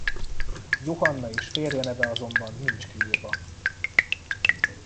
Johanna és férje neve azonban nincs kiírva.